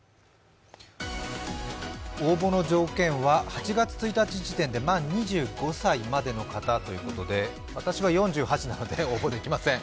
応募の条件は８月１日時点で満２５歳までの方ということで私は４８なので応募できません。